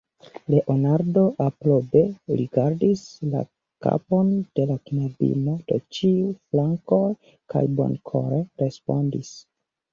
Leonardo aprobe rigardis la kapon de la knabino de ĉiuj flankoj kaj bonkore respondis: